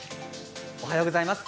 おはようございます。